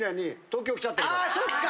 あそっか！